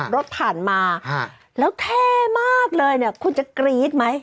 ขับรถผ่านมาแล้วแอบมากเลยนะคุณจะกรี๊ดไหม